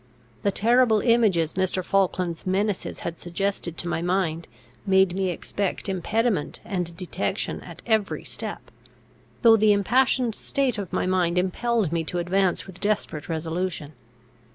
The terrible images Mr. Falkland's menaces had suggested to my mind, made me expect impediment and detection at every step; though the impassioned state of my mind impelled me to advance with desperate resolution.